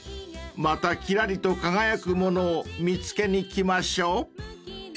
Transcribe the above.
［またきらりと輝くものを見つけに来ましょう］